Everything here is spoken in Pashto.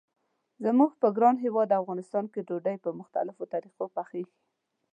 زموږ په ګران هیواد افغانستان کې ډوډۍ په مختلفو طریقو پخیږي.